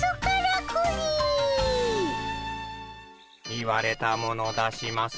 言われたもの出します。